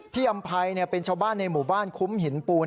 อำภัยเป็นชาวบ้านในหมู่บ้านคุ้มหินปูน